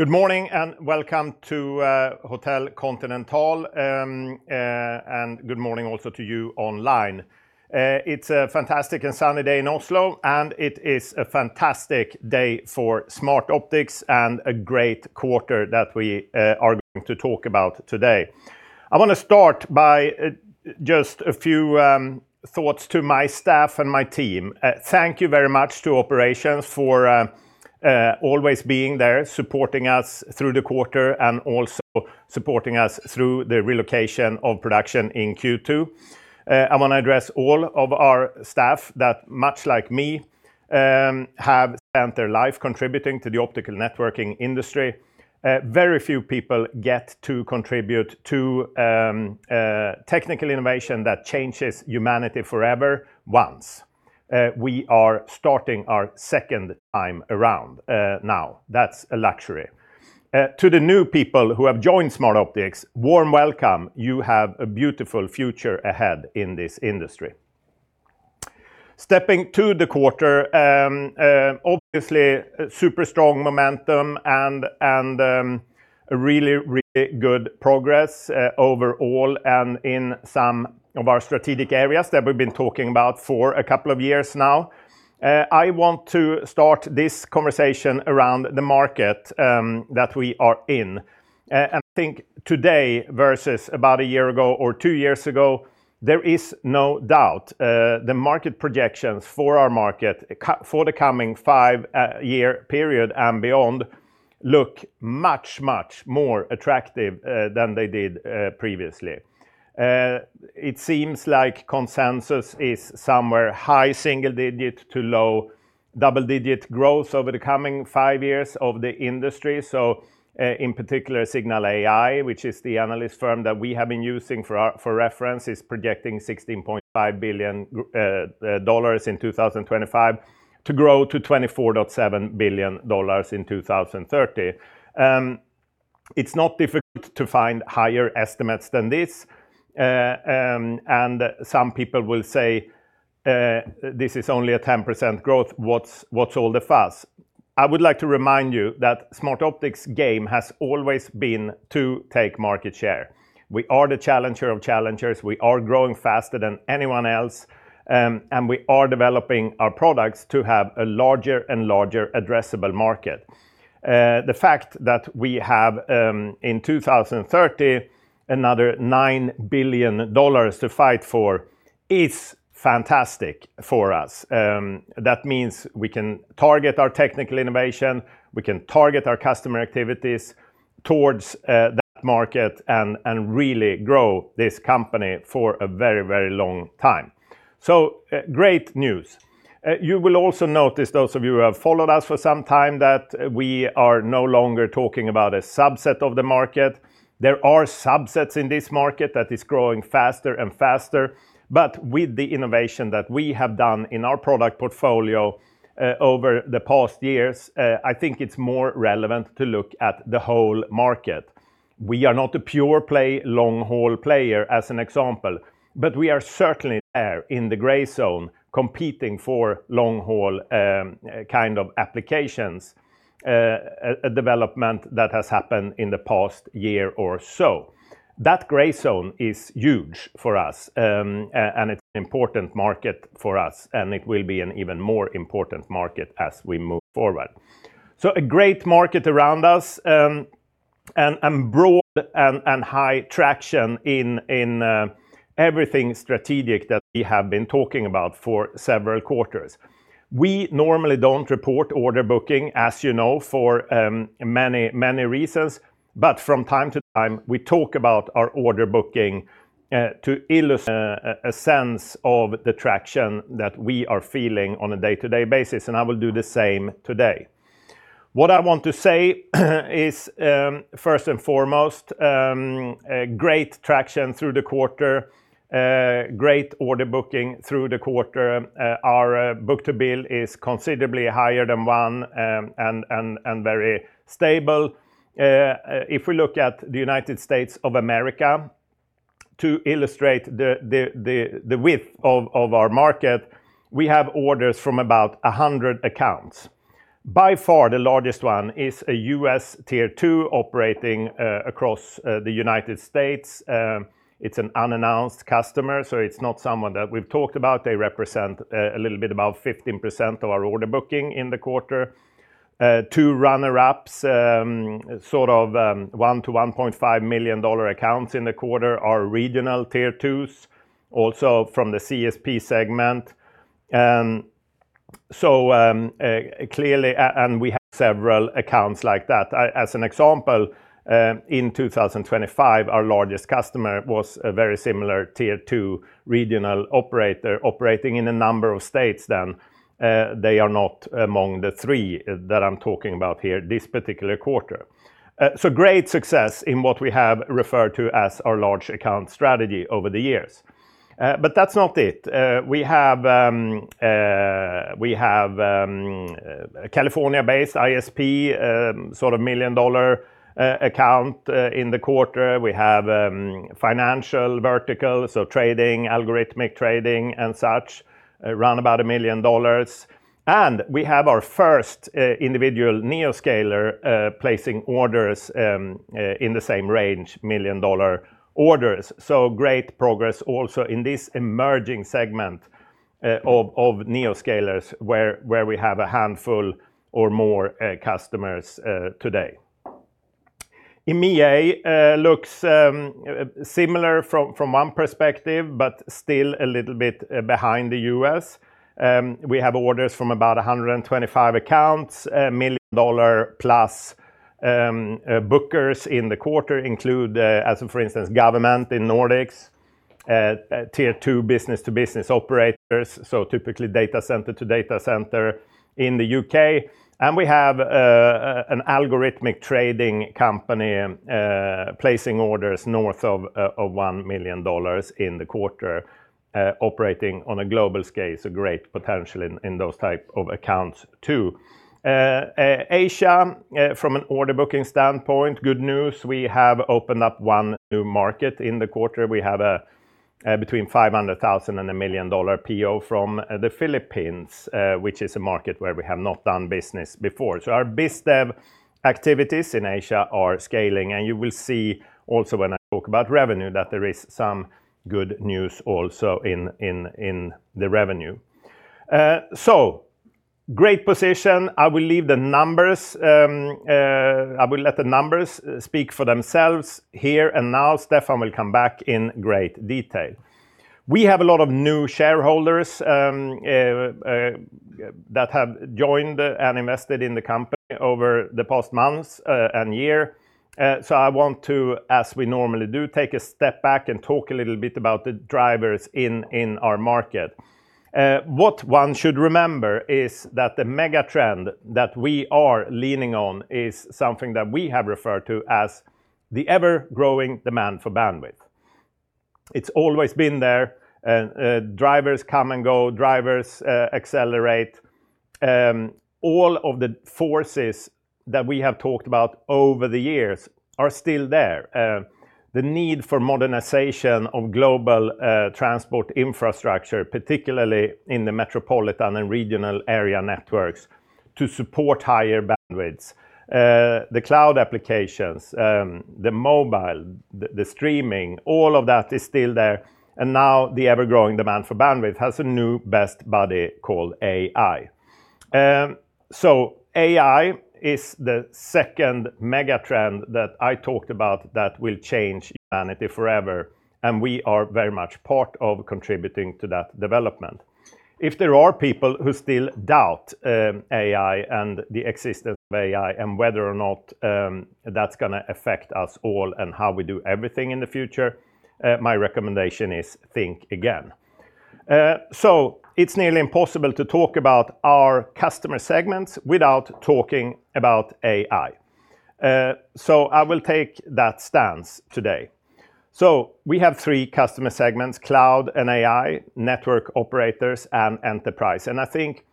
Good morning and welcome to Hotel Continental. Good morning also to you online. It's a fantastic and sunny day in Oslo, and it is a fantastic day for Smartoptics and a great quarter that we are going to talk about today. I wanna start by just a few thoughts to my staff and my team. Thank you very much to operations for always being there, supporting us through the quarter and also supporting us through the relocation of production in Q2. I wanna address all of our staff that, much like me, have spent their life contributing to the optical networking industry. Very few people get to contribute to technical innovation that changes humanity forever once. We are starting our second time around now. That's a luxury. To the new people who have joined Smartoptics, warm welcome. You have a beautiful future ahead in this industry. Stepping to the quarter, obviously, super strong momentum and really, really good progress overall and in some of our strategic areas that we've been talking about for two years now. I want to start this conversation around the market that we are in. I think today versus about a year ago or two years ago, there is no doubt, the market projections for our market for the coming five-year period and beyond look much more attractive than they did previously. It seems like consensus is somewhere high single-digit to low double-digit growth over the coming five years of the industry. In particular, Cignal AI, which is the analyst firm that we have been using for our for reference, is projecting $16.5 billion in 2025 to grow to $24.7 billion in 2030. It's not difficult to find higher estimates than this. Some people will say, "This is only a 10% growth. What's all the fuss?" I would like to remind you that Smartoptics' game has always been to take market share. We are the challenger of challengers. We are growing faster than anyone else, we are developing our products to have a larger and larger addressable market. The fact that we have in 2030 another $9 billion to fight for is fantastic for us. That means we can target our technical innovation, we can target our customer activities towards that market and really grow this company for a very, very long time. Great news. You will also notice, those of you who have followed us for some time, that we are no longer talking about a subset of the market. There are subsets in this market that is growing faster and faster. With the innovation that we have done in our product portfolio over the past years, I think it's more relevant to look at the whole market. We are not a pure play long-haul player, as an example, but we are certainly there in the gray zone competing for long-haul kind of applications, a development that has happened in the past year or so. That gray zone is huge for us, and it's an important market for us, and it will be an even more important market as we move forward. A great market around us, and broad and high traction in everything strategic that we have been talking about for several quarters. We normally don't report order booking, as you know, for many reasons. From time to time, we talk about our order booking to illustrate a sense of the traction that we are feeling on a day-to-day basis, and I will do the same today. What I want to say is, first and foremost, a great traction through the quarter, great order booking through the quarter. Our book-to-bill is considerably higher than one, and very stable. If we look at the U.S. to illustrate the width of our market, we have orders from about 100 accounts. By far, the largest one is a U.S. tier 2 operating across the U.S. It's an unannounced customer, so it's not someone that we've talked about. They represent a little bit about 15% of our order booking in the quarter. Two runner-ups, sort of, $1 million-$1.5 million accounts in the quarter are regional tier 2s, also from the CSP segment. Clearly, we have several accounts like that. As an example, in 2025, our largest customer was a very similar tier 2 regional operator operating in a number of states then. They are not among the three that I'm talking about here this particular quarter. Great success in what we have referred to as our large account strategy over the years. That's not it. We have a California-based ISP, sort of million-dollar account in the quarter. We have financial verticals, so trading, algorithmic trading, and such, around about $1 million. We have our first individual Neo Scaler placing orders in the same range, million-dollar orders. Great progress also in this emerging segment of Neoscalers where we have a handful or more customers today. In EMEA, looks similar from one perspective, but still a little bit behind the U.S. We have orders from about 125 accounts, million-dollar-plus bookers in the quarter include, as in for instance, Government in Nordics, tier 2 business-to-business operators. Typically data center to data center in the U.K. We have an algorithmic trading company placing orders north of $1 million in the quarter, operating on a global scale. Great potential in those type of accounts, too. Asia, from an order booking standpoint, good news. We have opened up one new market in the quarter. We have between $500,000 and $1 million PO from the Philippines, which is a market where we have not done business before. Our BizDev activities in Asia are scaling, and you will see also when I talk about revenue that there is some good news also in the revenue. Great position. I will leave the numbers, I will let the numbers speak for themselves here and now Stefan will come back in great detail. We have a lot of new shareholders that have joined and invested in the company over the past months and year. I want to, as we normally do, take a step back and talk a little bit about the drivers in our market. What one should remember is that the mega trend that we are leaning on is something that we have referred to as the ever-growing demand for bandwidth. It's always been there. Drivers come and go. Drivers accelerate. All of the forces that we have talked about over the years are still there. The need for modernization of global transport infrastructure, particularly in the metropolitan and regional area networks to support higher bandwidths. The cloud applications, the mobile, the streaming, all of that is still there. Now the ever-growing demand for bandwidth has a new best buddy called AI. AI is the second mega trend that I talked about that will change humanity forever, and we are very much part of contributing to that development. If there are people who still doubt AI and the existence of AI and whether or not that's gonna affect us all and how we do everything in the future, my recommendation is think again. It's nearly impossible to talk about our customer segments without talking about AI. I will take that stance today. We have 3 customer segments, cloud and AI, network operators, and enterprise. I think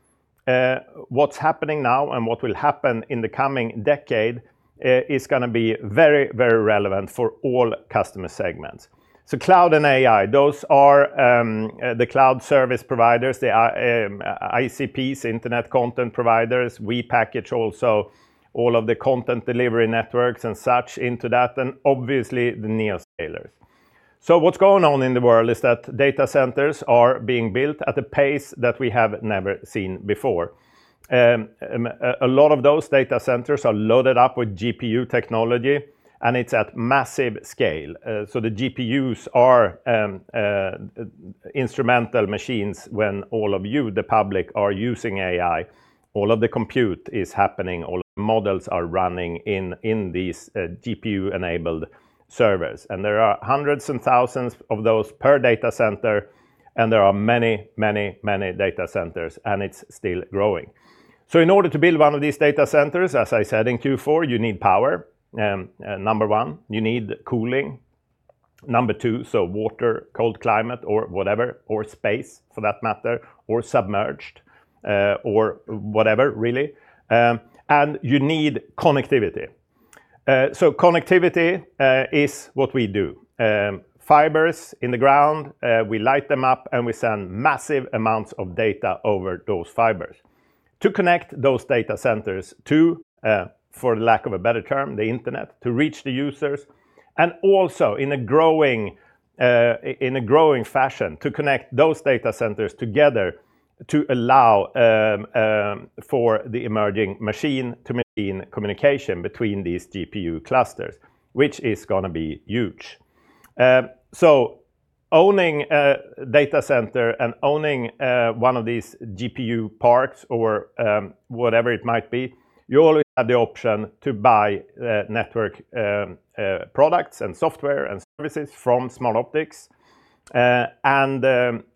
what's happening now and what will happen in the coming decade is gonna be very, very relevant for all customer segments. Cloud and AI, those are the cloud service providers. The ICPs, internet content providers. We package also all of the content delivery networks and such into that, and obviously the Neoscalers. What's going on in the world is that data centers are being built at a pace that we have never seen before. A lot of those data centers are loaded up with GPU technology, and it's at massive scale. The GPUs are instrumental machines when all of you, the public, are using AI. All of the compute is happening. All the models are running in these GPU-enabled servers. There are hundreds and thousands of those per data center, there are many data centers, and it's still growing. In order to build one of these data centers, as I said in Q4, you need power, number one. You need cooling, number two, so water, cold climate or whatever, or space for that matter, or submerged, or whatever really. You need connectivity. Connectivity is what we do. Fibers in the ground, we light them up, and we send massive amounts of data over those fibers to connect those data centers to, for lack of a better term, the Internet, to reach the users, and also in a growing fashion to connect those data centers together to allow for the emerging machine-to-machine communication between these GPU clusters, which is gonna be huge. So owning a data center and owning one of these GPU parks or whatever it might be, you always have the option to buy network products and software and services from Smartoptics, and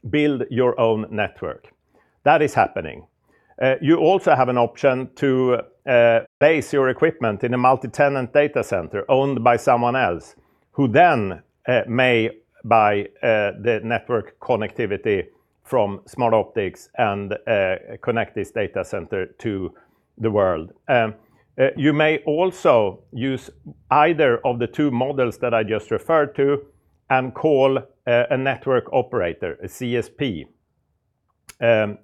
build your own network. That is happening. You also have an option to base your equipment in a multi-tenant data center owned by someone else who then may buy the network connectivity from Smartoptics and connect this data center to the world. You may also use either of the two models that I just referred to and call a network operator, a CSP.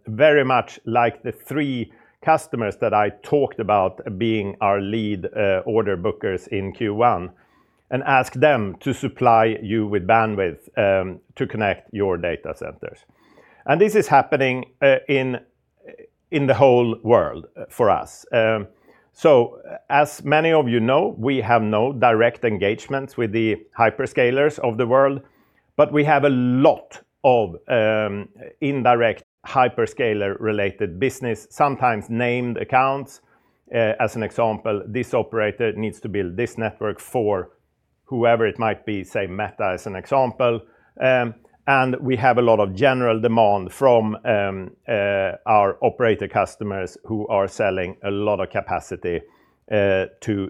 Very much like the three customers that I talked about being our lead order bookers in Q1 and ask them to supply you with bandwidth to connect your data centers. This is happening in the whole world for us. So as many of you know, we have no direct engagements with the hyperscalers of the world, but we have a lot of indirect hyperscaler related business, sometimes named accounts. As an example, this operator needs to build this network for whoever it might be, say, Meta as an example. We have a lot of general demand from our operator customers who are selling a lot of capacity to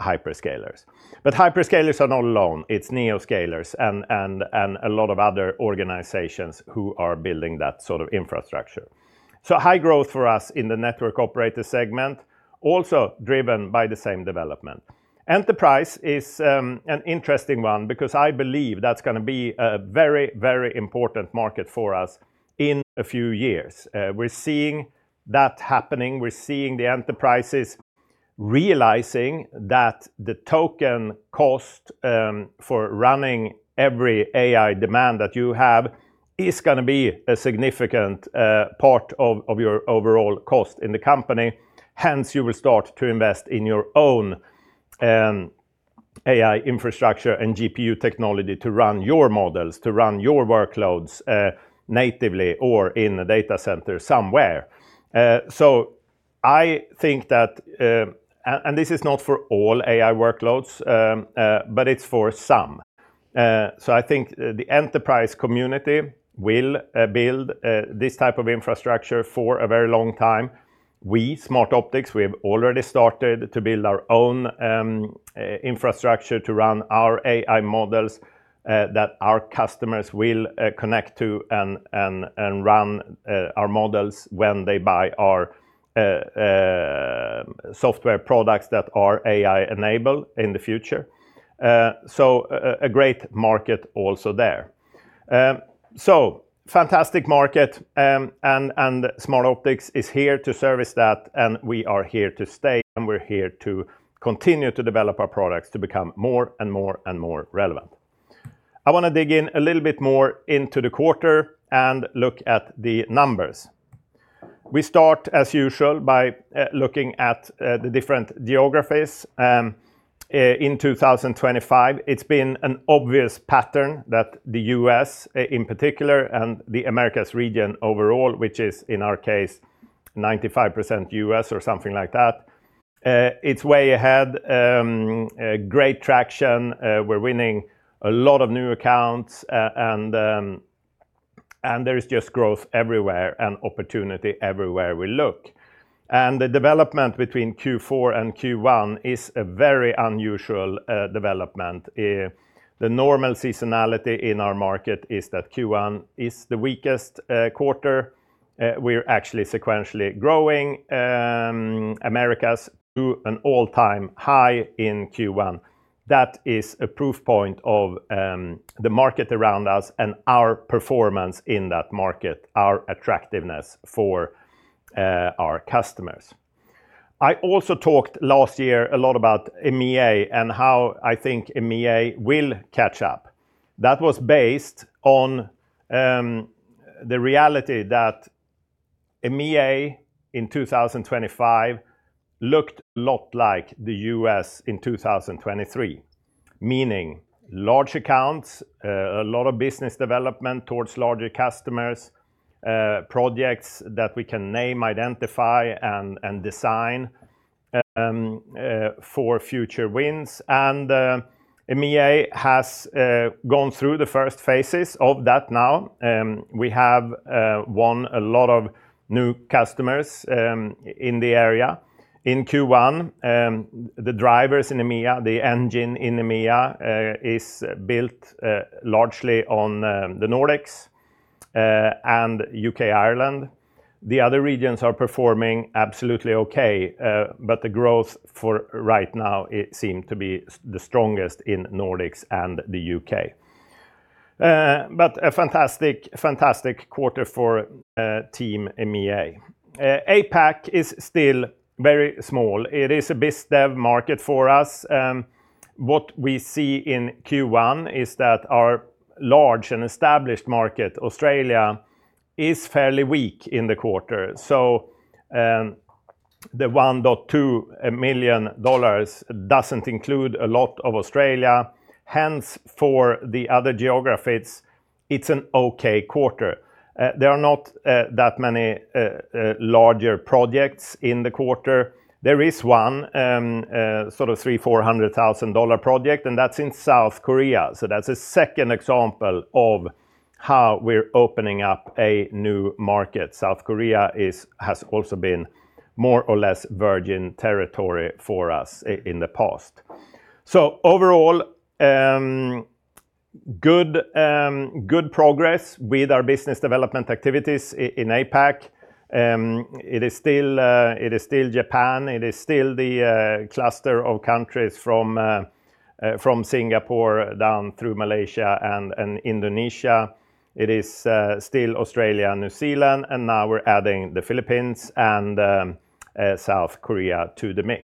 hyperscalers. Hyperscalers are not alone. It's Neoscalers and a lot of other organizations who are building that sort of infrastructure. High growth for us in the network operator segment, also driven by the same development. Enterprise is an interesting one because I believe that's going to be a very, very important market for us in a few years. We're seeing that happening. We're seeing the enterprises realizing that the token cost for running every AI demand that you have is going to be a significant part of your overall cost in the company. You will start to invest in your own AI infrastructure and GPU technology to run your models, to run your workloads, natively or in a data center somewhere. I think that, and this is not for all AI workloads, but it's for some. I think the enterprise community will build this type of infrastructure for a very long time. We, Smartoptics, we have already started to build our own infrastructure to run our AI models, that our customers will connect to and run our models when they buy our software products that are AI-enabled in the future. A great market also there. Fantastic market, and Smartoptics is here to service that, and we are here to stay, and we're here to continue to develop our products to become more and more relevant. I wanna dig in a little bit more into the quarter and look at the numbers. We start as usual by looking at the different geographies. In 2025, it's been an obvious pattern that the U.S. in particular and the Americas region overall, which is in our case, 95% U.S. or something like that. It's way ahead. Great traction. We're winning a lot of new accounts. There is just growth everywhere and opportunity everywhere we look. The development between Q4 and Q1 is a very unusual development. The normal seasonality in our market is that Q1 is the weakest quarter. We're actually sequentially growing, Americas to an all-time high in Q1. That is a proof point of the market around us and our performance in that market, our attractiveness for our customers. I also talked last year a lot about EMEA and how I think EMEA will catch up. That was based on, the reality that EMEA in 2025 looked a lot like the U.S. in 2023. Meaning large accounts, a lot of business development towards larger customers, projects that we can name, identify, and design, for future wins. EMEA has gone through the first phases of that now. We have won a lot of new customers in the area. In Q1, the drivers in EMEA, the engine in EMEA, is built largely on the Nordics and U.K., Ireland. The other regions are performing absolutely okay, the growth for right now seem to be the strongest in Nordics and the U.K. A fantastic quarter for team EMEA. APAC is still very small. It is a biz dev market for us. What we see in Q1 is that our large and established market, Australia, is fairly weak in the quarter. The $1.2 million doesn't include a lot of Australia. For the other geographies, it's an okay quarter. There are not that many larger projects in the quarter. There is one, sort of $300,000-$400,000 project, and that's in South Korea. That's a second example of how we're opening up a new market. South Korea has also been more or less virgin territory for us in the past. Overall, good progress with our business development activities in APAC. It is still, it is still Japan, it is still the cluster of countries from Singapore down through Malaysia and Indonesia. It is still Australia and New Zealand. Now we're adding the Philippines and South Korea to the mix.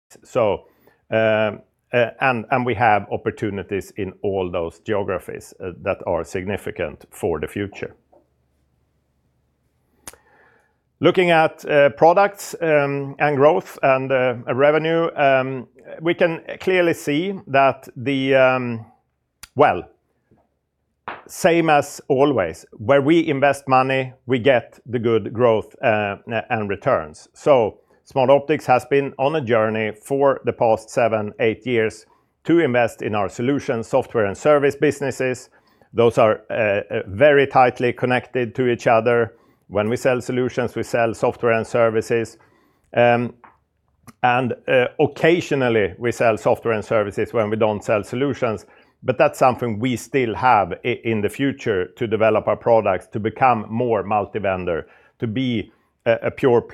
We have opportunities in all those geographies that are significant for the future. Looking at products, and growth and revenue, we can clearly see that. Well, same as always. Where we invest money, we get the good growth and returns. Smartoptics has been on a journey for the past seven, eight years to invest in our Solutions, Software & Services businesses. Those are very tightly connected to each other. When we sell Solutions, we sell Software & Services. Occasionally, we sell software and services when we don't sell solutions, but that's something we still have in the future to develop our products to become more multi-vendor, to be a pure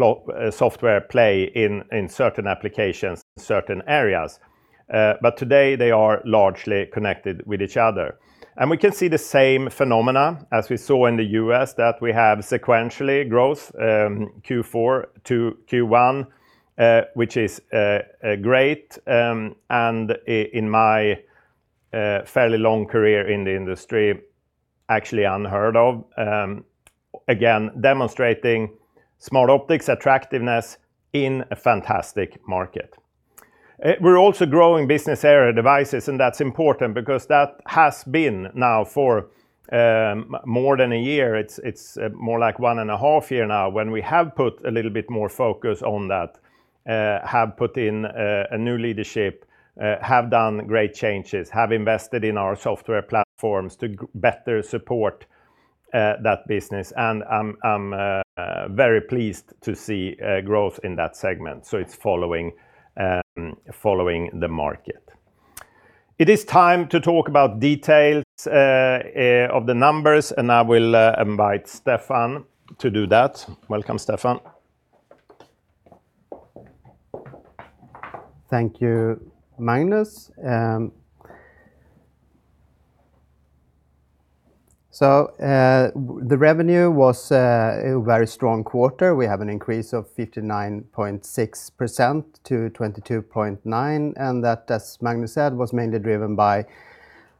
software play in certain applications, certain areas. Today they are largely connected with each other. We can see the same phenomena as we saw in the U.S. that we have sequentially growth, Q4 to Q1, which is great, and in my fairly long career in the industry, actually unheard of. Again, demonstrating Smartoptics' attractiveness in a fantastic market. We're also growing business area devices, and that's important because that has been now for more than a year. It's more like one and a half years now when we have put a little bit more focus on that, have put in a new leadership, have done great changes, have invested in our software platforms to better support that business. I'm very pleased to see growth in that segment, so it's following following the market. It is time to talk about details of the numbers, and I will invite Stefan to do that. Welcome, Stefan. Thank you, Magnus. The revenue was a very strong quarter. We have an increase of 59.6% to $22.9 million, and that, as Magnus said, was mainly driven by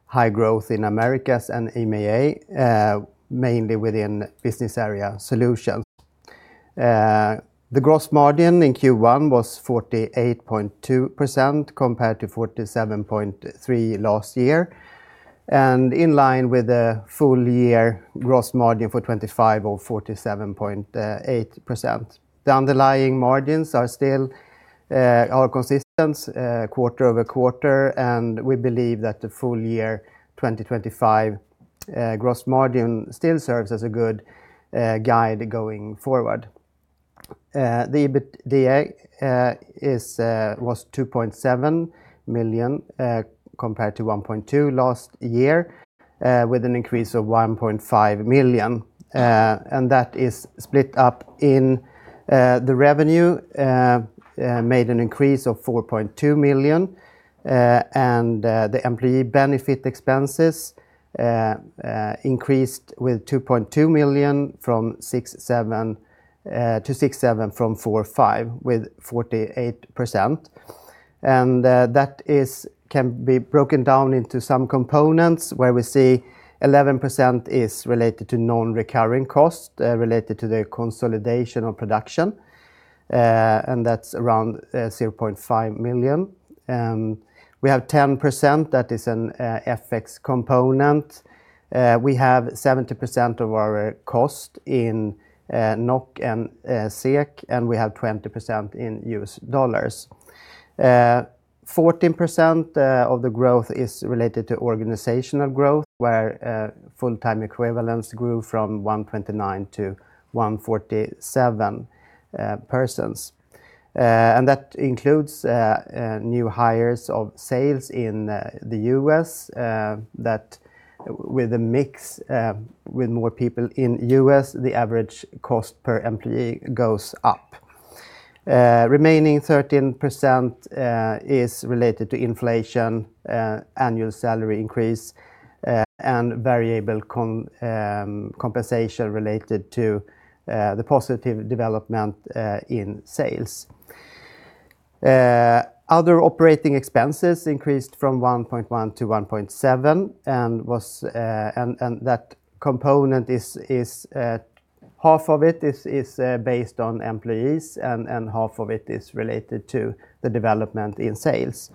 high growth in Americas and EMEA, mainly within business area Solutions. The gross margin in Q1 was 48.2% compared to 47.3% last year, and in line with the full year gross margin for 2025 of 47.8%. The underlying margins are still consistent quarter-over-quarter, and we believe that the full year 2025 gross margin still serves as a good guide going forward. The EBITDA was $2.7 million compared to $1.2 million last year, with an increase of $1.5 million. That is split up in the revenue made an increase of $4.2 million, and the employee benefit expenses increased with $2.2 million from $6.7 million... to $6.7 million from $4.5 million with 48%. That can be broken down into some components where we see 11% is related to non-recurring costs related to the consolidation of production, and that's around $0.5 million. We have 10% that is an FX component. We have 70% of our cost in NOK and SEK, and we have 20% in U.S. dollars. 14% of the growth is related to organizational growth, where full-time equivalents grew from 129 to 147 persons. That includes new hires of sales in the U.S. with a mix, with more people in U.S., the average cost per employee goes up. Remaining 13% is related to inflation, annual salary increase, and variable compensation related to the positive development in sales. Other operating expenses increased from $1.1 million to $1.7 million and that component is half of it is based on employees and half of it is related to the development in sales.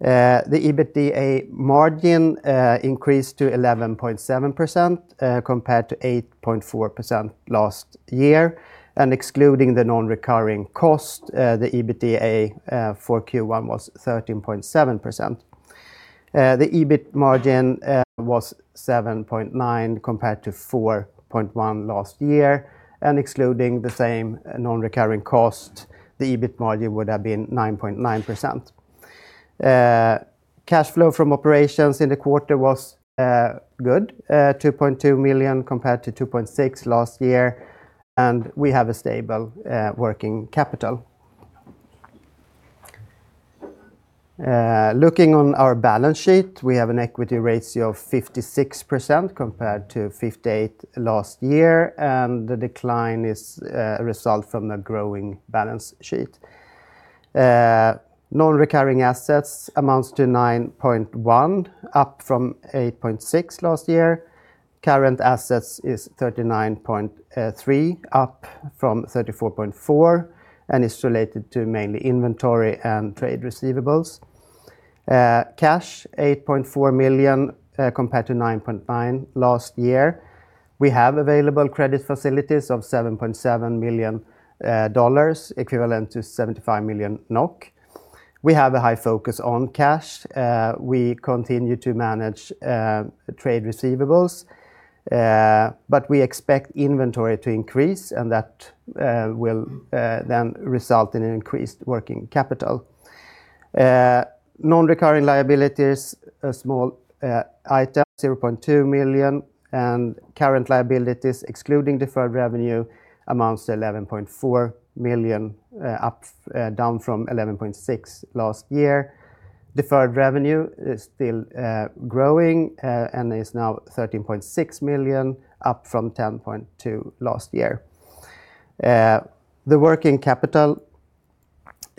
The EBITDA margin increased to 11.7% compared to 8.4% last year. Excluding the non-recurring cost, the EBITDA for Q1 was 13.7%. The EBIT margin was 7.9% compared to 4.1% last year, and excluding the same non-recurring cost, the EBIT margin would have been 9.9%. Cash flow from operations in the quarter was good, $2.2 million compared to $2.6 million last year, and we have a stable working capital. Looking on our balance sheet, we have an equity ratio of 56% compared to 58% last year, and the decline is a result from the growing balance sheet. Non-recurring assets amounts to $9.1 million, up from $8.6 million last year. Current assets is $39.3 million, up from $34.4 million, and it's related to mainly inventory and trade receivables. Cash, $8.4 million, compared to $9.9 million last year. We have available credit facilities of $7.7 million, equivalent to 75 million NOK. We have a high focus on cash. We continue to manage trade receivables, we expect inventory to increase, and that will then result in an increased working capital. Non-recurring liabilities, a small item, $0.2 million, current liabilities, excluding deferred revenue, amounts to $11.4 million, down from $11.6 last year. Deferred revenue is still growing, is now $13.6 million, up from $10.2 last year. The working capital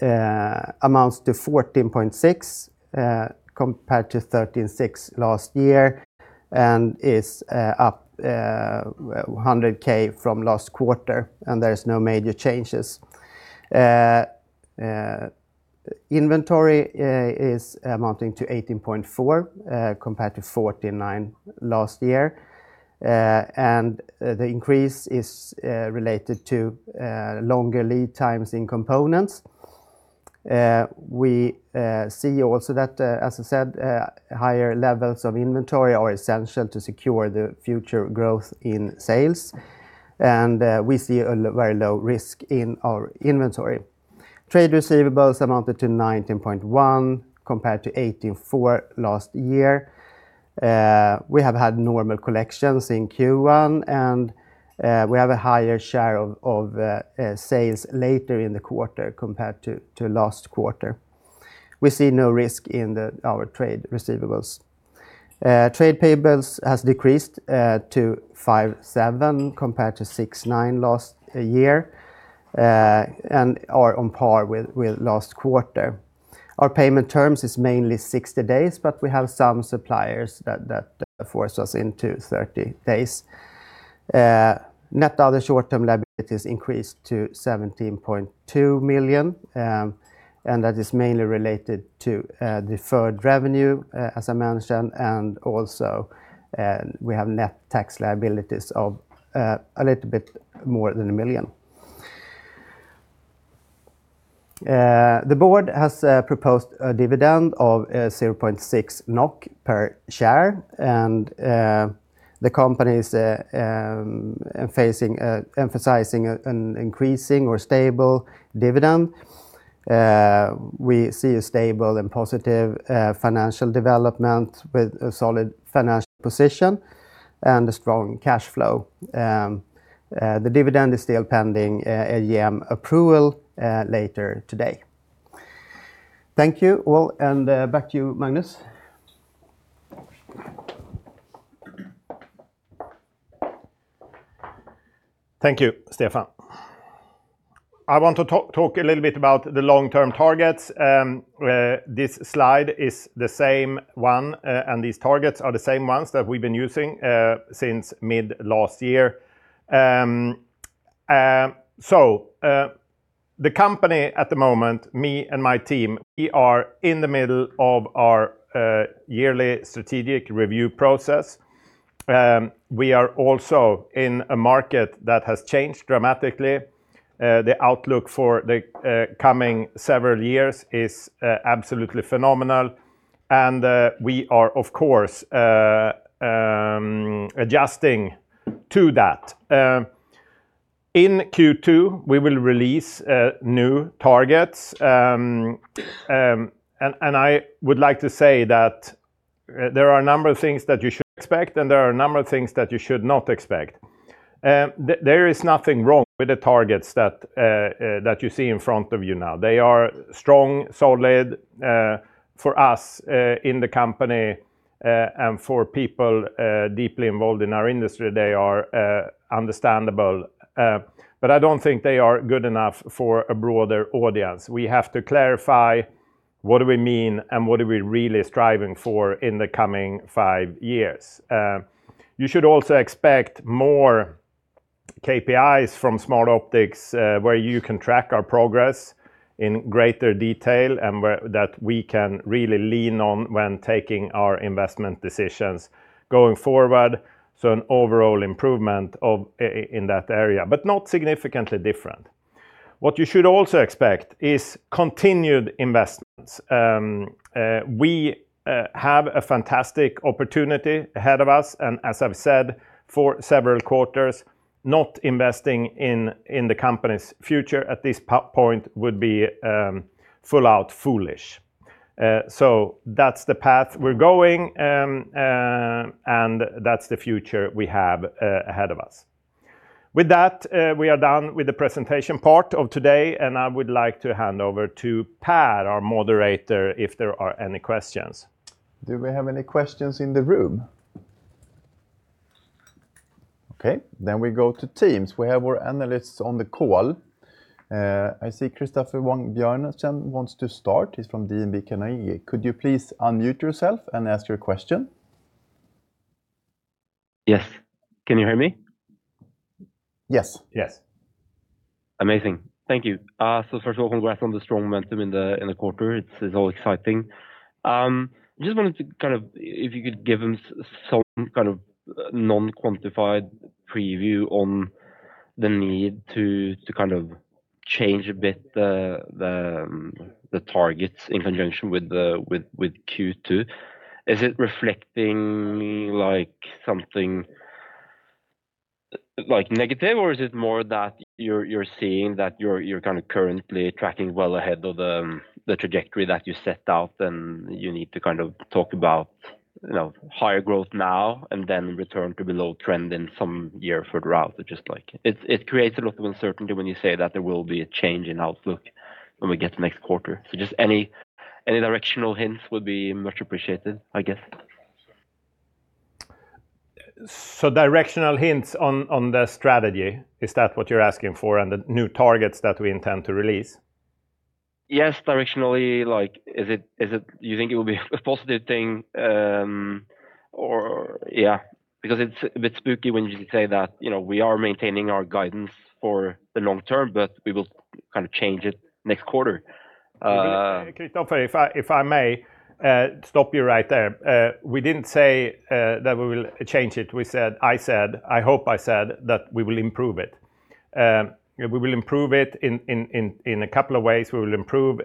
amounts to $14.6 million compared to $13.6 million last year and is up $100K from last quarter. There's no major changes. Inventory is amounting to $18.4 million compared to $14.9 million last year. The increase is related to longer lead times in components. We see also that, as I said, higher levels of inventory are essential to secure the future growth in sales. We see a very low risk in our inventory. Trade receivables amounted to $19.1 million compared to $18.4 million last year. We have had normal collections in Q1. We have a higher share of sales later in the quarter compared to last quarter. We see no risk in our trade receivables. Trade payables has decreased to $5.7 million compared to $6.9 million last year and are on par with last quarter. Our payment terms is mainly 60 days, but we have some suppliers that force us into 30 days. Net other short-term liabilities increased to $17.2 million and that is mainly related to deferred revenue, as I mentioned, and also, we have net tax liabilities of a little bit more than $1 million. The board has proposed a dividend of 0.6 NOK per share and the company's emphasizing an increasing or stable dividend. We see a stable and positive financial development with a solid financial position and a strong cash flow. The dividend is still pending AGM approval later today. Thank you all, and, back to you, Magnus. Thank you, Stefan. I want to talk a little bit about the long-term targets. This slide is the same one, and these targets are the same ones that we've been using since mid-last year. The company at the moment, me and my team, we are in the middle of our yearly strategic review process. We are also in a market that has changed dramatically. The outlook for the coming several years is absolutely phenomenal and we are, of course, adjusting to that. In Q2, we will release new targets, and I would like to say that there are a number of things that you should expect, and there are a number of things that you should not expect. There is nothing wrong with the targets that you see in front of you now. They are strong, solid, for us in the company, and for people deeply involved in our industry, they are understandable. I don't think they are good enough for a broader audience. We have to clarify what do we mean and what are we really striving for in the coming five years. You should also expect more KPIs from Smartoptics Group, where you can track our progress in greater detail and that we can really lean on when taking our investment decisions going forward, so an overall improvement in that area, but not significantly different. What you should also expect is continued investments. We have a fantastic opportunity ahead of us, and as I've said for several quarters, not investing in the company's future at this point would be full out foolish. That's the path we're going, and that's the future we have ahead of us. With that, we are done with the presentation part of today, and I would like to hand over to Per, our moderator, if there are any questions. Do we have any questions in the room? We go to Teams. We have our analysts on the call. I see Christoffer Wang Bjørnsen wants to start. He's from DNB Carnegie. Could you please unmute yourself and ask your question? Yes. Can you hear me? Yes. Yes. Amazing. Thank you. First of all, congrats on the strong momentum in the quarter. It's all exciting. Just wanted to kind of if you could give us some kind of non-quantified preview on the need to kind of change a bit the targets in conjunction with Q2. Is it reflecting something negative, or is it more that you're seeing that you're currently tracking well ahead of the trajectory that you set out, and you need to kind of talk about, you know, higher growth now and then return to below trend in some year further out? It just creates a lot of uncertainty when you say that there will be a change in outlook when we get to next quarter. Just any directional hints would be much appreciated, I guess. Directional hints on the strategy, is that what you're asking for, and the new targets that we intend to release? Yes, directionally. Like, is it Do you think it will be a positive thing, or? Yeah, because it's a bit spooky when you say that, you know, we are maintaining our guidance for the long term, but we will kind of change it next quarter. Christoffer, if I may stop you right there. We didn't say that we will change it. We said, I said, I hope I said, that we will improve it. We will improve it in two ways. We will improve,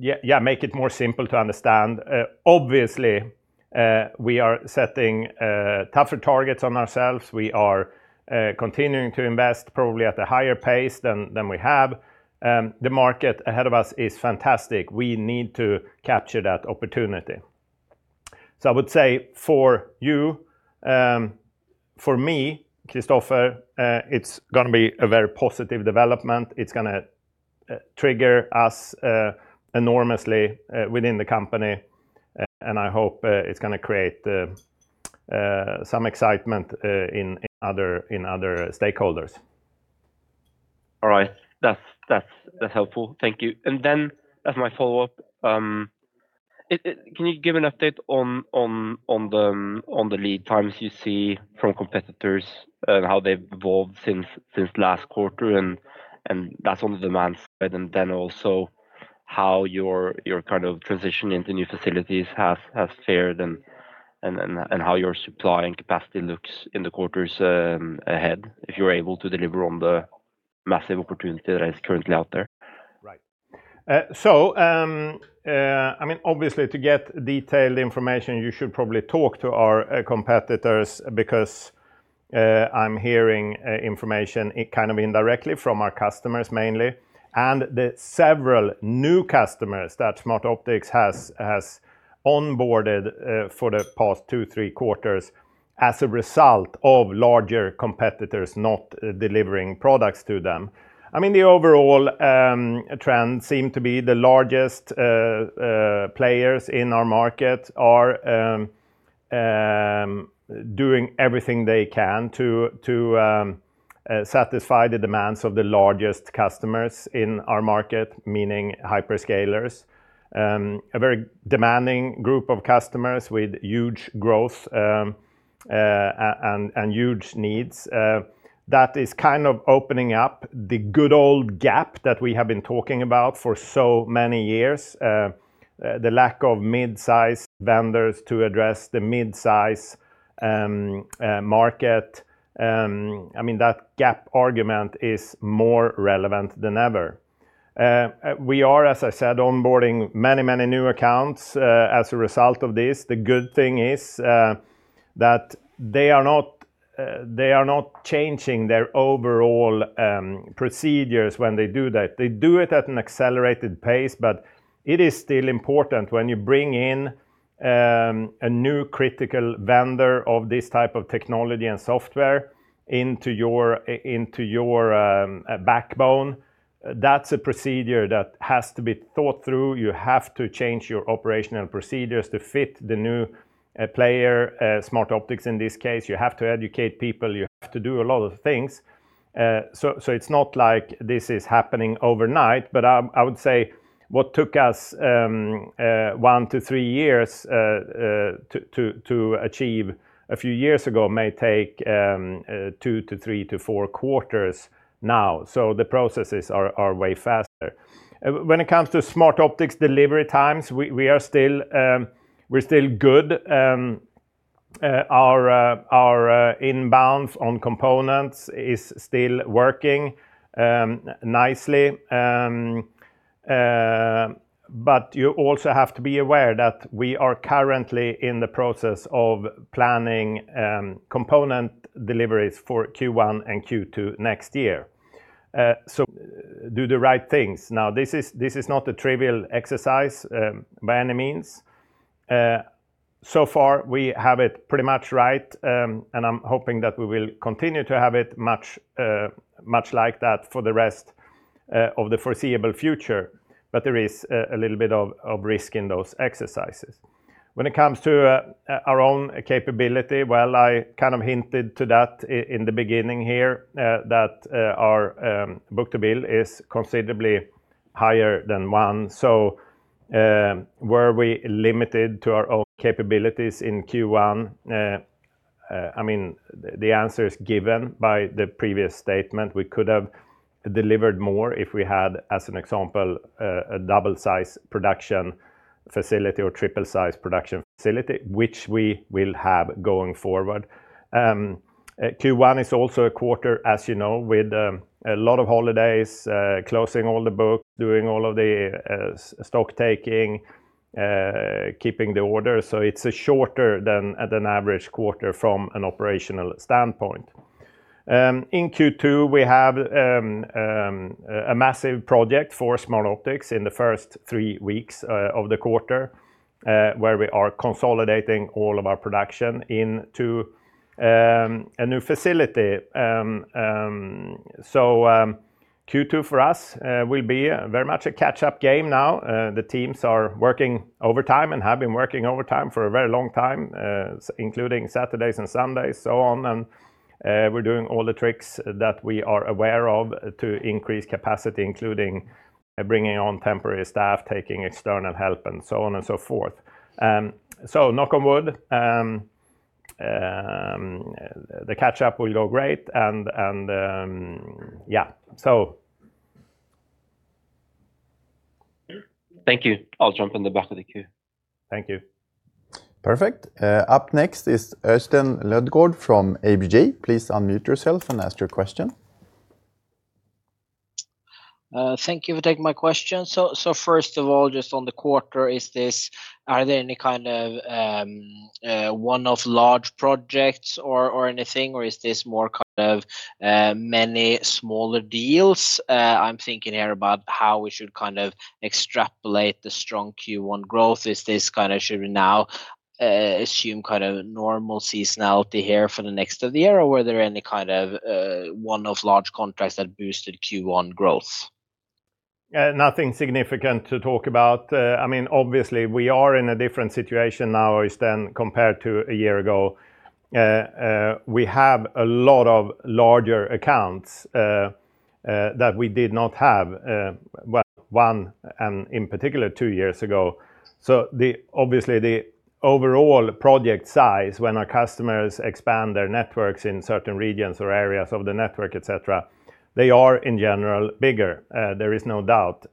yeah, make it more simple to understand. Obviously, we are setting tougher targets on ourselves. We are continuing to invest probably at a higher pace than we have. The market ahead of us is fantastic. We need to capture that opportunity. I would say for you, for me, Chrisoffer, it's gonna be a very positive development. It's gonna trigger us enormously within the company, and I hope it's gonna create some excitement in other stakeholders. All right. That's helpful. Thank you. As my follow-up, can you give an update on the lead times you see from competitors and how they've evolved since last quarter and that's on the demand side, and then also how your kind of transition into new facilities has fared and how your supplying capacity looks in the quarters ahead, if you're able to deliver on the massive opportunity that is currently out there? Right. I mean, obviously, to get detailed information, you should probably talk to our competitors because I'm hearing information kind of indirectly from our customers mainly, and the several new customers that Smartoptics Group has onboarded for the past two, three quarters as a result of larger competitors not delivering products to them. I mean, the overall trend seem to be the largest players in our market are doing everything they can to satisfy the demands of the largest customers in our market, meaning hyperscalers. A very demanding group of customers with huge growth and huge needs. That is kind of opening up the good old gap that we have been talking about for so many years. The lack of mid-size vendors to address the mid-size market, I mean, that gap argument is more relevant than ever. We are, as I said, onboarding many, many new accounts as a result of this. The good thing is that they are not changing their overall procedures when they do that. They do it at an accelerated pace, but it is still important when you bring in a new critical vendor of this type of technology and software into your into your backbone. That's a procedure that has to be thought through. You have to change your operational procedures to fit the new player, Smartoptics Group in this case. You have to educate people. You have to do a lot of things. It's not like this is happening overnight, but I would say what took us one to three years to achieve a few years ago may take two to three to four quarters now. The processes are way faster. When it comes to Smartoptics Group delivery times, we are still good. Our inbounds on components is still working nicely. You also have to be aware that we are currently in the process of planning component deliveries for Q1 and Q2 next year. Do the right things. Now, this is not a trivial exercise by any means. So far we have it pretty much right. I'm hoping that we will continue to have it much, much like that for the rest of the foreseeable future. There is a little bit of risk in those exercises. When it comes to our own capability, well, I kind of hinted to that in the beginning here, that our book-to-bill is considerably higher than 1. Were we limited to our own capabilities in Q1? I mean, the answer is given by the previous statement. We could have delivered more if we had, as an example, a double size production facility or triple size production facility, which we will have going forward. Q1 is also a quarter, as you know, with a lot of holidays, closing all the books, doing all of the stock taking, keeping the order. It's a shorter than average quarter from an operational standpoint. In Q2, we have a massive project for Smartoptics Group in the first three weeks of the quarter, where we are consolidating all of our production into a new facility. Q2 for us will be very much a catch-up game now. The teams are working overtime and have been working overtime for a very long time, including Saturdays and Sundays, so on. We're doing all the tricks that we are aware of to increase capacity, including bringing on temporary staff, taking external help, and so on and so forth. Knock on wood, the catch-up will go great. Thank you. I'll jump in the back of the queue. Thank you. Perfect. Up next is Øystein Lodgaard from ABG. Please unmute yourself and ask your question. Thank you for taking my question. First of all, just on the quarter, are there any kind of one-off large projects or anything, or is this more kind of many smaller deals? I'm thinking here about how we should kind of extrapolate the strong Q1 growth. Is this kind of should we now assume kind of normal seasonality here for the next of the year, or were there any kind of one-off large contracts that boosted Q1 growth? Nothing significant to talk about. I mean, obviously we are in a different situation now, Øystein, compared to a year ago. We have a lot of larger accounts that we did not have, well, one, and in particular two years ago. Obviously the overall project size when our customers expand their networks in certain regions or areas of the network, et cetera, they are in general bigger. There is no doubt.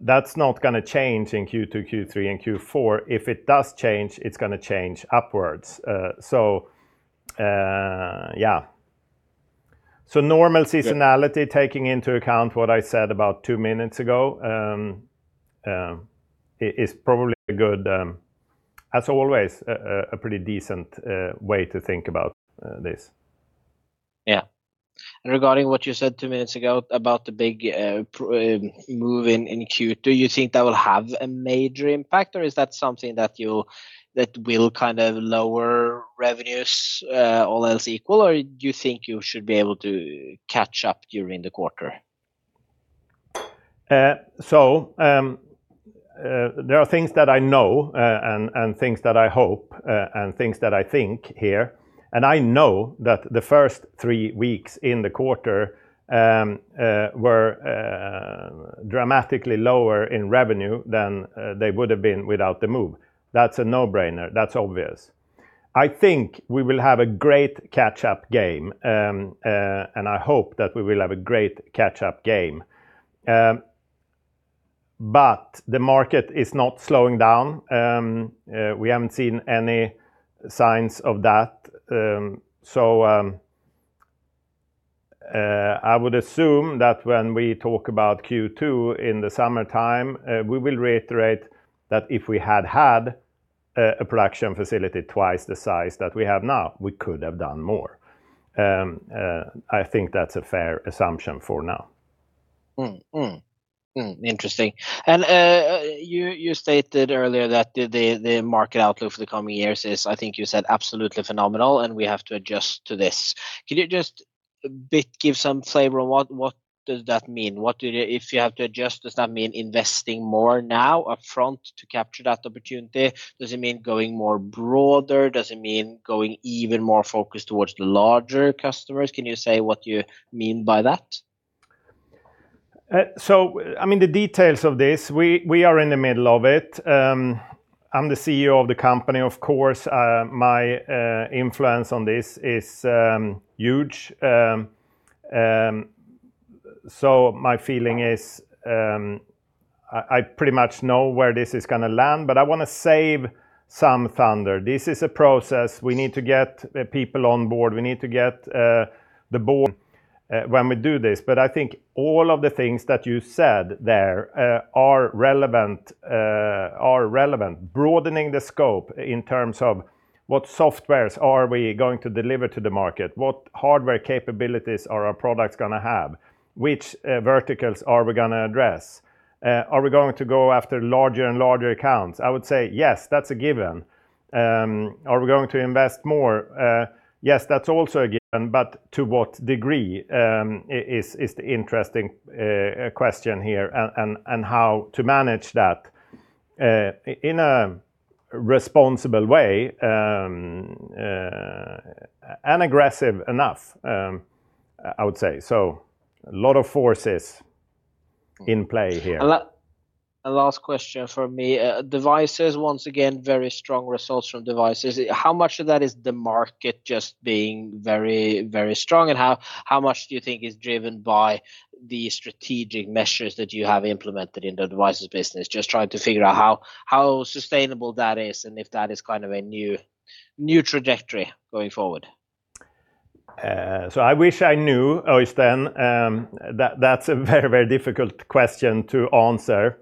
That's not gonna change in Q2, Q3, and Q4. If it does change, it's gonna change upwards. Taking into account what I said about two minutes ago, is probably a good, as always, a pretty decent way to think about this. Yeah. Regarding what you said two minutes ago about the big move in Q2, you think that will have a major impact, or is that something that will kind of lower revenues, all else equal, or do you think you should be able to catch up during the quarter? There are things that I know, and things that I hope, and things that I think here. I know that the first 3 weeks in the quarter were dramatically lower in revenue than they would have been without the move. That's a no-brainer. That's obvious. I think we will have a great catch-up game. I hope that we will have a great catch-up game. The market is not slowing down. We haven't seen any signs of that. I would assume that when we talk about Q2 in the summertime, we will reiterate that if we had had a production facility twice the size that we have now, we could have done more. I think that's a fair assumption for now. Interesting. You stated earlier that the market outlook for the coming years is, I think you said absolutely phenomenal, and we have to adjust to this. Could you just a bit give some flavor on what does that mean? If you have to adjust, does that mean investing more now upfront to capture that opportunity? Does it mean going more broader? Does it mean going even more focused towards the larger customers? Can you say what you mean by that? I mean, the details of this, we are in the middle of it. I'm the CEO of the company, of course. My influence on this is huge. My feeling is I pretty much know where this is going to land, but I want to save some thunder. This is a process. We need to get people on board. We need to get the board when we do this. I think all of the things that you said there are relevant, broadening the scope in terms of what softwares are we going to deliver to the market? What hardware capabilities are our products going to have? Which verticals are we going to address? Are we going to go after larger and larger accounts? I would say, yes, that's a given. Are we going to invest more? Yes, that's also a given, but to what degree is the interesting question here and how to manage that in a responsible way and aggressive enough, I would say. A lot of forces in play here. A last question for me. Devices, once again, very strong results from Devices. How much of that is the market just being very strong? How much do you think is driven by the strategic measures that you have implemented in the Devices business? Just trying to figure out how sustainable that is and if that is kind of a new trajectory going forward. I wish I knew, Øystein. That's a very, very difficult question to answer.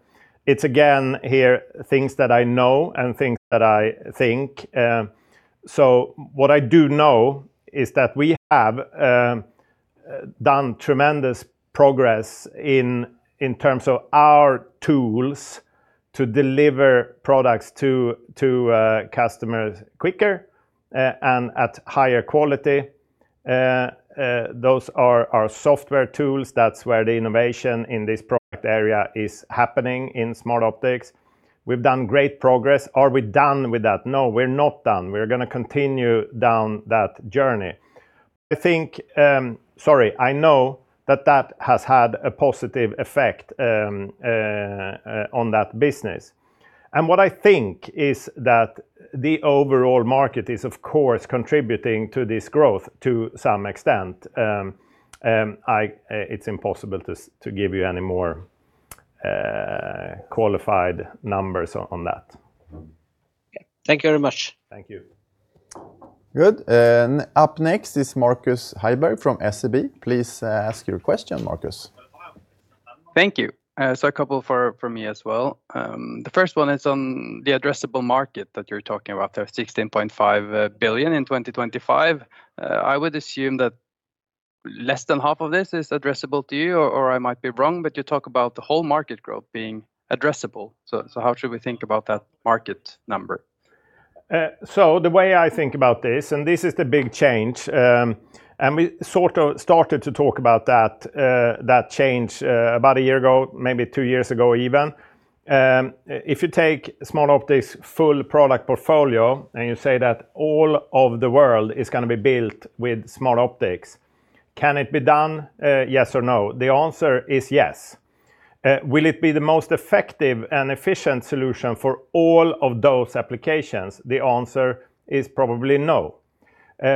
It's again here things that I know and things that I think. What I do know is that we have done tremendous progress in terms of our tools to deliver products to customers quicker and at higher quality. Those are our software tools. That's where the innovation in this product area is happening in Smartoptics. We've done great progress. Are we done with that? No, we're not done. We're going to continue down that journey. I know that that has had a positive effect on that business. What I think is that the overall market is, of course, contributing to this growth to some extent. It's impossible to give you any more qualified numbers on that. Thank you very much. Thank you. Good. Up next is Markus Heiberg from SEB. Please ask your question, Markus. Thank you. A couple for me as well. The first one is on the addressable market that you're talking about, $16.5 billion in 2025. I would assume that less than half of this is addressable to you, or I might be wrong, but you talk about the whole market growth being addressable. How should we think about that market number? The way I think about this, and this is the big change, and we sort of started to talk about that change about a year ago, maybe two years ago even. If you take Smartoptics' full product portfolio and you say that all of the world is going to be built with Smartoptics, can it be done? Yes or no? The answer is yes. Will it be the most effective and efficient solution for all of those applications? The answer is probably no.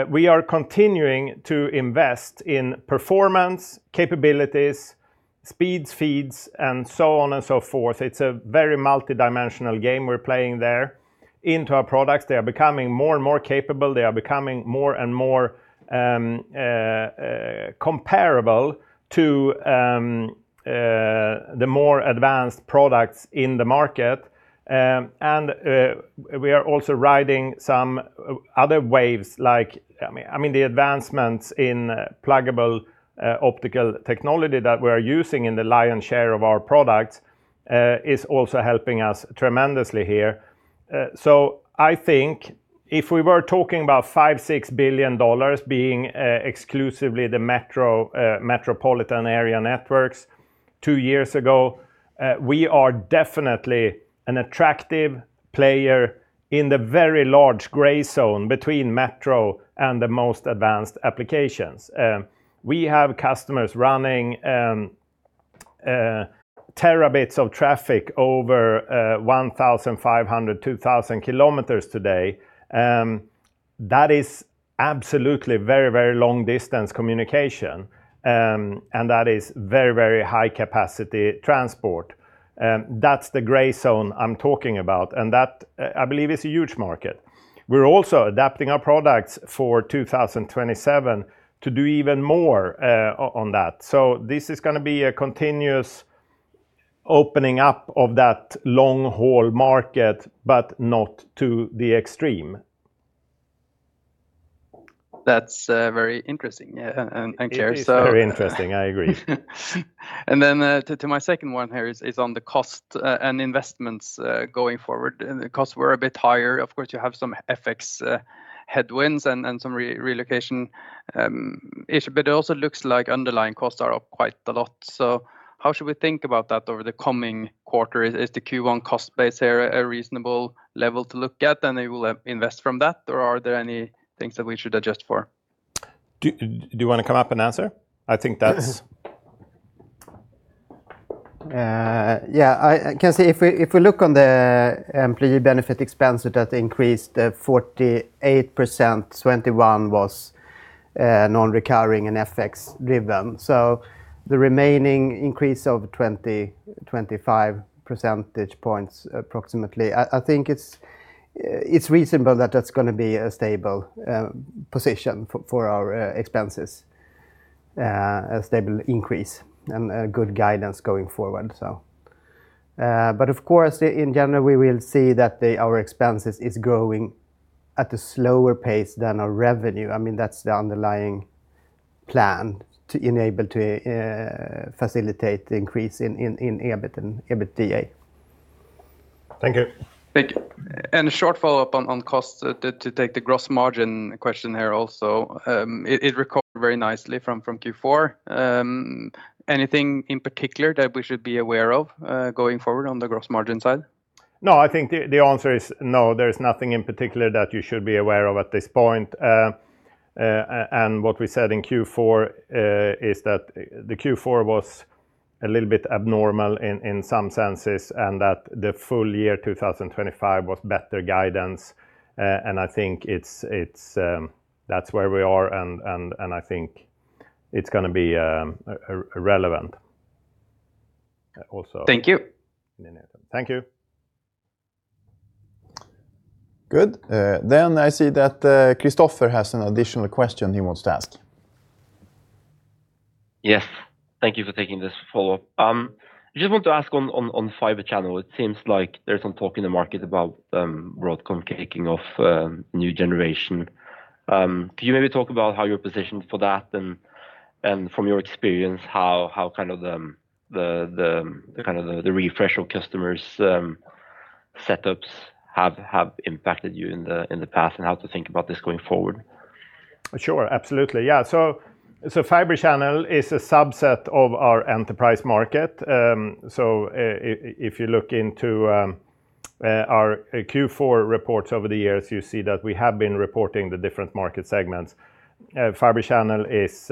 We are continuing to invest in performance, capabilities, speeds, feeds, and so on and so forth. It's a very multidimensional game we're playing there into our products. They are becoming more and more capable. They are becoming more and more comparable to the more advanced products in the market. We are also riding some other waves like, I mean, the advancements in pluggable optical technology that we are using in the lion's share of our products is also helping us tremendously here. I think if we were talking about $5 billion-$6 billion being exclusively the metropolitan area networks two years ago, we are definitely an attractive player in the very large gray zone between metro and the most advanced applications. We have customers running terabits of traffic over 1,500, 2,000 kilometers today. That is absolutely very, very long distance communication. That is very, very high capacity transport. That's the gray zone I'm talking about. That, I believe, is a huge market. We're also adapting our products for 2027 to do even more on that. This is going to be a continuous opening up of that long haul market, but not to the extreme. That's very interesting. It is very interesting. I agree. To my second one here is on the cost and investments going forward. The costs were a bit higher. Of course, you have some FX headwinds and some relocation issue, but it also looks like underlying costs are up quite a lot. How should we think about that over the coming quarter? Is the Q1 cost base here a reasonable level to look at and they will invest from that? Are there any things that we should adjust for? Do you want to come up and answer? Yeah, I can see if we look on the employee benefit expense that increased 48%. 21% was non-recurring and FX driven. The remaining increase of 20-25 percentage points approximately, I think it's reasonable that that's gonna be a stable position for our expenses. A stable increase and a good guidance going forward. Of course, in general, we will see that our expenses is growing at a slower pace than our revenue. I mean, that's the underlying plan to enable to facilitate the increase in EBIT and EBITDA. Thank you. Thank you. A short follow-up on cost to take the gross margin question here also. It recovered very nicely from Q4. Anything in particular that we should be aware of going forward on the gross margin side? No, I think the answer is no, there is nothing in particular that you should be aware of at this point. What we said in Q4 is that the Q4 was a little bit abnormal in some senses, and that the full year 2025 was better guidance. I think it's that's where we are, and I think it's gonna be relevant also. Thank you. Thank you. Good. I see that Christoffer has an additional question he wants to ask. Yes. Thank you for taking this follow-up. I just want to ask on Fibre Channel, it seems like there's some talk in the market about Broadcom kicking off new generation. Can you maybe talk about how you're positioned for that and from your experience, how kind of the refresh of customers' setups have impacted you in the past, and how to think about this going forward? Sure. Absolutely. Yeah. Fibre Channel is a subset of our enterprise market. If you look into our Q4 reports over the years, you see that we have been reporting the different market segments. Fibre Channel is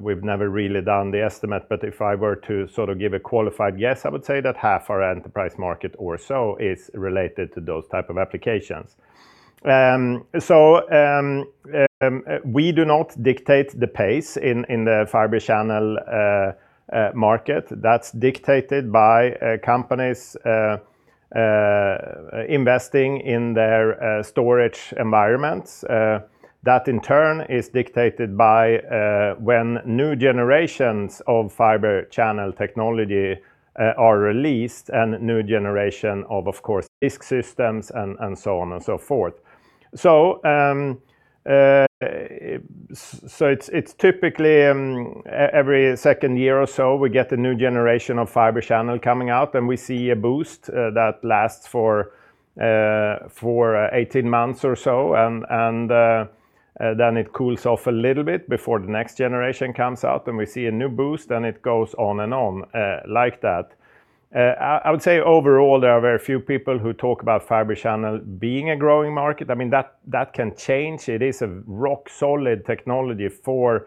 we've never really done the estimate, but if I were to sort of give a qualified guess, I would say that half our enterprise market or so is related to those type of applications. We do not dictate the pace in the Fibre Channel market. That's dictated by companies investing in their storage environments. That in turn is dictated by when new generations of Fibre Channel technology are released and new generation of course, disk systems and so on and so forth. It's typically every second year or so, we get the new generation of Fibre Channel coming out, and we see a boost that lasts for 18 months or so. Then it cools off a little bit before the next generation comes out, and we see a new boost, and it goes on and on like that. I would say overall, there are very few people who talk about Fibre Channel being a growing market. I mean, that can change. It is a rock solid technology for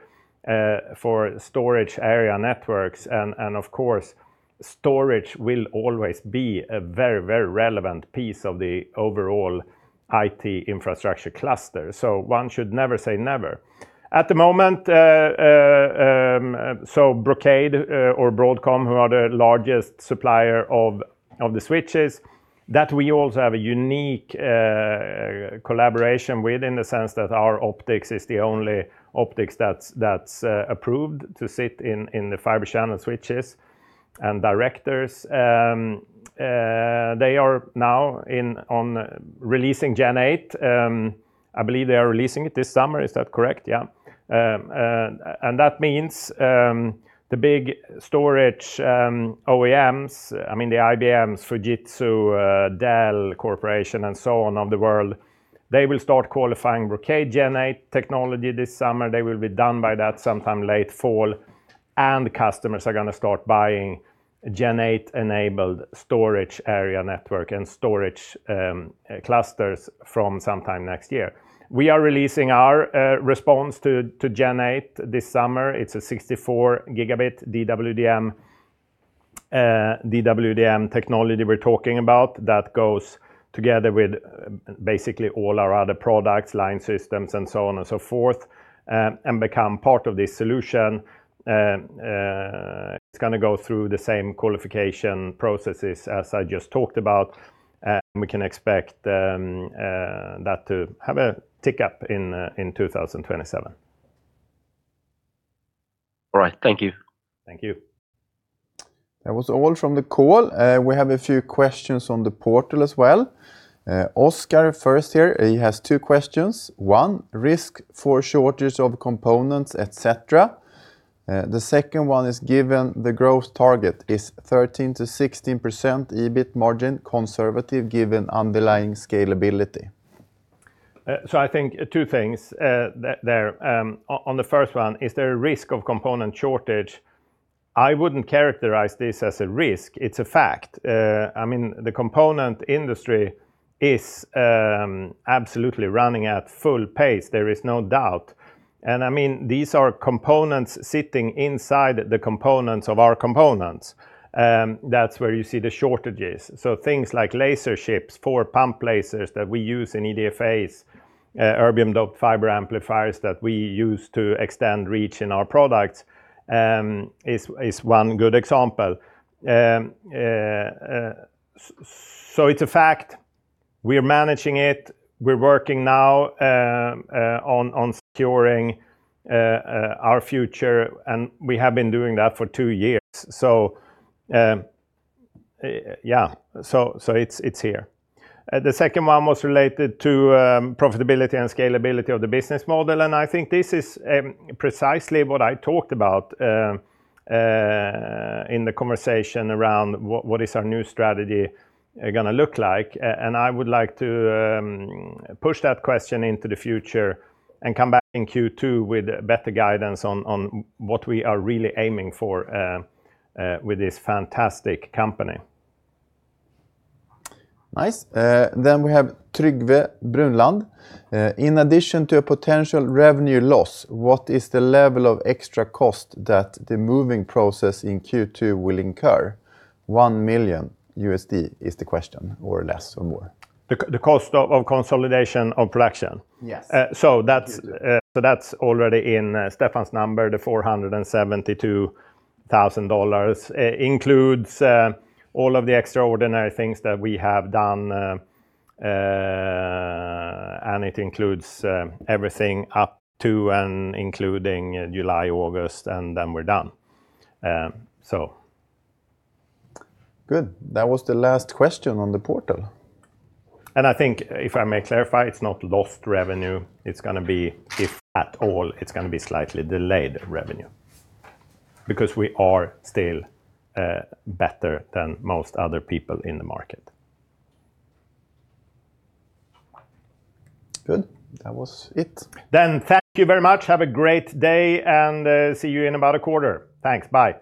storage area networks. Of course, storage will always be a very, very relevant piece of the overall IT infrastructure cluster. One should never say never. At the moment, Brocade or Broadcom, who are the largest supplier of the switches, that we also have a unique collaboration with in the sense that our optics is the only optics approved to sit in the Fibre Channel switches. Directors, they are now on releasing Gen 8. I believe they are releasing it this summer. Is that correct? Yeah. That means the big storage OEMs, I mean, the IBMs, Fujitsu, Dell Technologies, and so on of the world, they will start qualifying Brocade Gen 8 technology this summer. They will be done by that sometime late fall, customers are gonna start buying Gen 8-enabled storage area network and storage clusters from sometime next year. We are releasing our response to Gen 8 this summer. It's a 64 Gb DWDM technology we're talking about that goes together with basically all our other products, line systems, and so on and so forth, and become part of this solution. It's gonna go through the same qualification processes as I just talked about, and we can expect that to have a tick up in 2027. All right. Thank you. Thank you. That was all from the call. We have a few questions on the portal as well. Oscar first here, he has two questions. one, risk for shortage of components, et cetera. The second one is, given the growth target is 13%-16% EBIT margin conservative given underlying scalability? I think two things there. On the first one, is there a risk of component shortage? I wouldn't characterize this as a risk. It's a fact. I mean, the component industry is absolutely running at full pace. There is no doubt. I mean, these are components sitting inside the components of our components. That's where you see the shortages. Things like laser chips for pump lasers that we use in EDFAs, Erbium-Doped Fiber Amplifiers that we use to extend reach in our products, is one good example. It's a fact. We're managing it. We're working now on securing our future, and we have been doing that for two years. Yeah. It's here. The second one was related to profitability and scalability of the business model, and I think this is precisely what I talked about in the conversation around what is our new strategy gonna look like. I would like to push that question into the future and come back in Q2 with better guidance on what we are really aiming for with this fantastic company. Nice. We have Trygve Brunland. In addition to a potential revenue loss, what is the level of extra cost that the moving process in Q2 will incur? $1 million is the question, or less or more. The cost of consolidation of production? Yes. Uh, so that's already in Stefan's number. The $472,000 includes all of the extraordinary things that we have done. It includes everything up to and including July, August, and then we're done. Good. That was the last question on the portal. I think if I may clarify, it's not lost revenue. It's gonna be, if at all, it's gonna be slightly delayed revenue because we are still better than most other people in the market. Good. That was it. Thank you very much. Have a great day, and see you in about a quarter. Thanks. Bye.